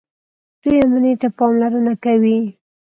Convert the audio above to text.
دوی امنیت ته پاملرنه کوي.